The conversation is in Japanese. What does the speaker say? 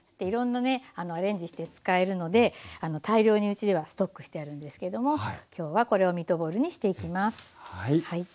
いろんなねアレンジして使えるので大量にうちではストックしてあるんですけども今日はこれをミートボールにしていきます。